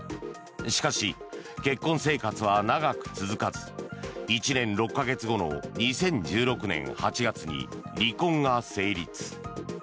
しかし、結婚生活は長く続かず１年６か月後の２０１６年８月に離婚が成立。